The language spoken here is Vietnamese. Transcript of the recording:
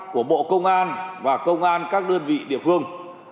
của bộ công an và công an các đơn vị địa phương